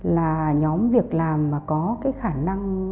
là nhóm việc làm mà có cái khả năng